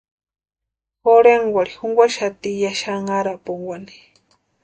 Jorhenkwarhiri junkwaxati ya xanharapunkwani.